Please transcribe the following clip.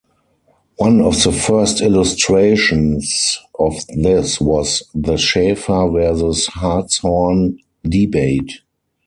One of the first illustrations of this was the Schaefer versus Hartshorne debate.